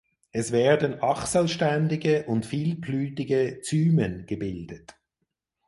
Es werden achselständige und vielblütige Zymen gebildet.